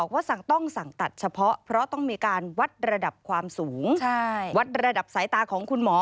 วัดระดับความสูงวัดระดับสายตาของคุณหมอ